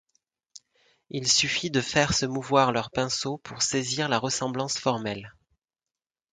Il suffit de faire se mouvoir leur pinceau pour saisir la ressemblance formelle.